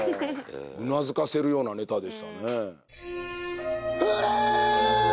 うなずかせるようなネタでしたねフレー！